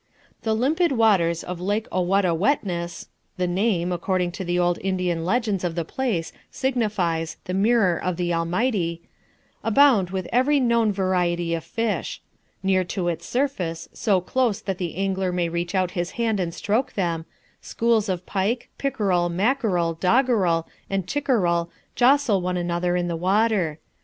"The limpid waters of Lake Owatawetness (the name, according to the old Indian legends of the place, signifies, The Mirror of the Almighty) abound with every known variety of fish. Near to its surface, so close that the angler may reach out his hand and stroke them, schools of pike, pickerel, mackerel, doggerel, and chickerel jostle one another in the water.